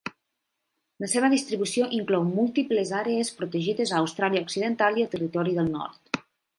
La seva distribució inclou múltiples àrees protegides a Austràlia Occidental i el Territori del Nord.